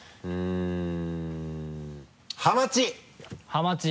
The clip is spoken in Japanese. ハマチ！